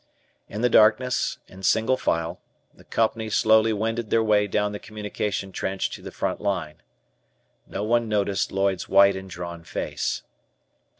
In the darkness, in single file, the Company slowly wended their way down the communication trench to the front line. No one noticed Lloyd's white and drawn face.